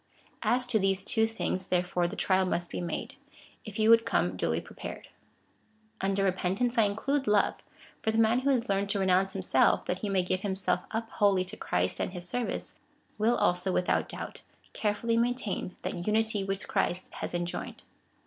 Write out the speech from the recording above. As to these two things, tlierefore, the trial must be made, if you would come duly prepared. Under repentance I include love : for the man Avho has learned to renounce himself, that he may give him self \vjy wholly to Christ and his service, will also, without doubt, carefully maintain that unity which Christ has en joined.